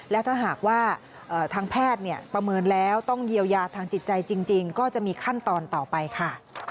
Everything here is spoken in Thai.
และถ้าหากว่าทางแพทย์ประเมินแล้วต้องเยียวยาทางจิตใจจริงก็จะมีขั้นตอนต่อไปค่ะ